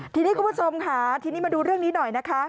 ทีนี้คุณผู้ชมค่ะทีนี้มาดูเรื่องนี้หน่อยนะคะ